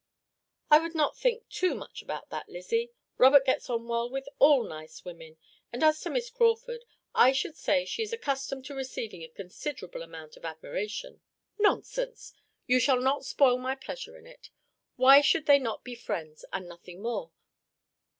"I would not think too much about that, Lizzy. Robert gets on well with all nice women, and as to Miss Crawford, I should say she is accustomed to receiving a considerable amount of admiration." "Nonsense! You shall not spoil my pleasure in it. Why should they not be friends and nothing more?